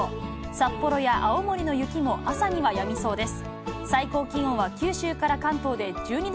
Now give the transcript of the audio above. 札幌や青森の雪も朝にはやみそうです。